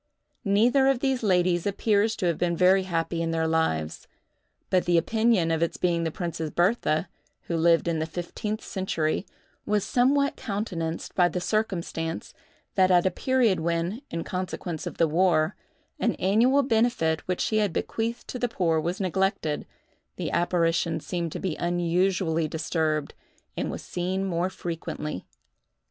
Neither of these ladies appears to have been very happy in their lives: but the opinion of its being the Princess Bertha, who lived in the fifteenth century, was somewhat countenanced by the circumstance, that at a period when, in consequence of the war, an annual benefit which she had bequeathed to the poor was neglected, the apparition seemed to be unusually disturbed, and was seen more frequently.